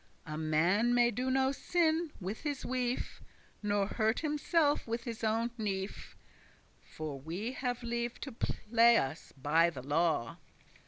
A man may do no sinne with his wife, Nor hurt himselfe with his owen knife; For we have leave to play us by the law."